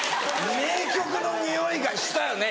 名曲のにおいがしたよね